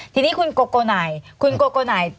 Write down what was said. ทีนี้คุณกกนาย